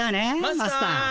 マスター。